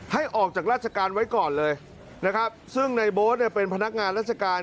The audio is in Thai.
ให้ออกจากราชการไว้ก่อนเลยซึ่งในโบ๊ทเป็นพนักงานราชการ